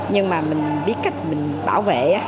nhưng mà mình biết cách mình bảo vệ